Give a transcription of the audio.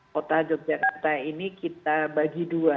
kota yogyakarta ini kita bagi dua